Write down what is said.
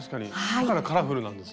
だからカラフルなんですね。